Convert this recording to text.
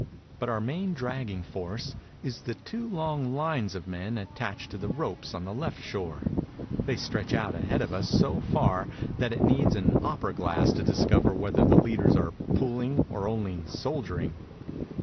But our main dragging force is in the two long lines of men attached to the ropes on the left shore. They stretch out ahead of us so far that it needs an opera glass to discover whether the leaders are pulling or only soldiering.